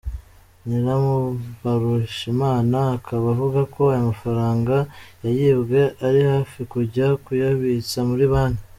Nyirambarushimana akaba avuga ko ayo mafaranga yayibwe ari hafi kujya kuyabitsa muri banki.